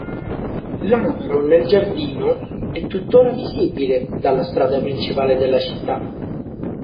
L’albero nel giardino è tutt’ora visibile dalla strada principale della città.